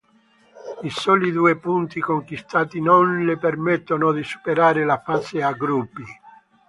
I soli due punti conquistati non le permettono di superare la fase a gruppi.